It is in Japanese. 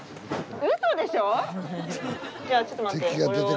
じゃあちょっと待って。